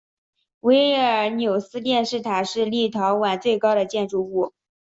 维尔纽斯电视塔是立陶宛最高的建筑物。